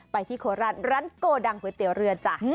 ที่โคราชร้านโกดังก๋วยเตี๋ยวเรือจ้ะ